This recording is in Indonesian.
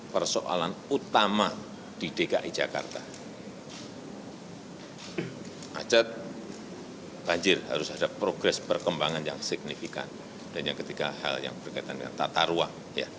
banjir harus ada progres perkembangan yang signifikan dan yang ketiga hal yang berkaitan dengan tata ruang